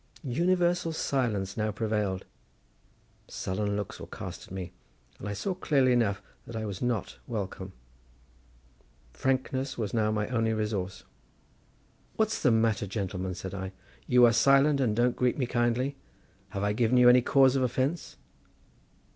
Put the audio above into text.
Universal silence now prevailed; sullen looks were cast at me; and I saw clearly enough that I was not welcome. Frankness was now my only resource. "What's the matter, gentlemen?" said I; "you are silent and don't greet me kindly; have I given you any cause of offence?"